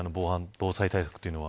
防災対策というのは。